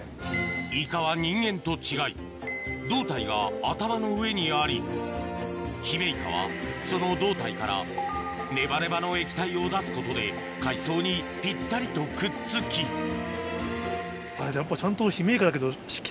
イカは人間と違い胴体が頭の上にありヒメイカはその胴体からネバネバの液体を出すことで海藻にぴったりとくっつきやっぱちゃんと。